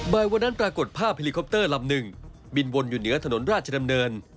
วันนั้นปรากฏภาพเฮลิคอปเตอร์ลำหนึ่งบินวนอยู่เหนือถนนราชดำเนิน